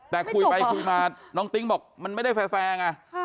ไปคุยมาน้องติ๊งบอกมันไม่ได้แฟร์แฟร์ไง